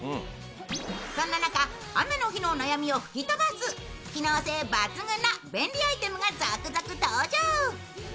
そんな中雨の日のお悩みを吹き飛ばす機能性抜群の便利アイテムが続々登場。